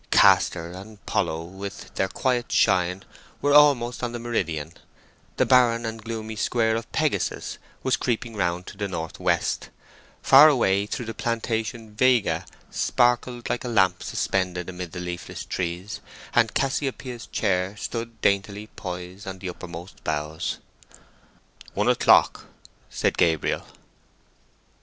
Castor and Pollux with their quiet shine were almost on the meridian: the barren and gloomy Square of Pegasus was creeping round to the north west; far away through the plantation Vega sparkled like a lamp suspended amid the leafless trees, and Cassiopeia's chair stood daintily poised on the uppermost boughs. "One o'clock," said Gabriel.